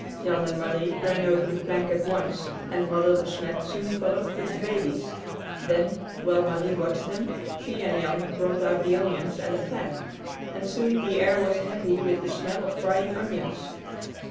Jan and Marie ran over the plank at once, and Mother De Smet soon followed with the babies. Then, while Marie watched them, she and Jan brought out the onions and a pan, and soon the air was heavy with the smell of frying onions.